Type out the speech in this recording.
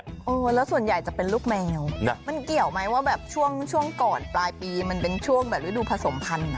เออแล้วส่วนใหญ่จะเป็นลูกแมวมันเกี่ยวไหมว่าแบบช่วงก่อนปลายปีมันเป็นช่วงแบบฤดูผสมพันธุ์